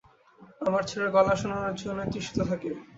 আমার ছেলের গলা শোনার জন্যে তৃষিত থাকি।